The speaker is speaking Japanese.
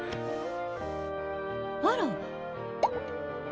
あら？